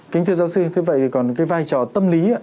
kính thưa giáo sư thế vậy thì còn cái vai trò tâm lý